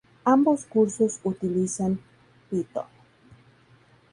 Ambos cursos utilizan Python.